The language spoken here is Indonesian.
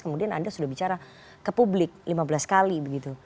kemudian anda sudah bicara ke publik lima belas kali begitu